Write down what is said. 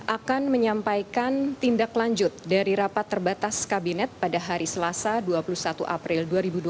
akan menyampaikan tindak lanjut dari rapat terbatas kabinet pada hari selasa dua puluh satu april dua ribu dua puluh